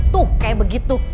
tuh kayak begitu